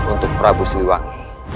untuk prabu siliwangi